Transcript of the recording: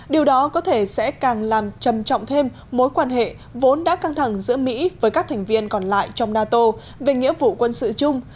điều đó có thể sẽ càng làm trầm trọng thêm mối quan hệ vốn đã căng thẳng giữa mỹ với các thành viên còn lại trong nato về nghĩa vụ quân sự chung